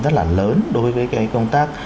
rất là lớn đối với cái công tác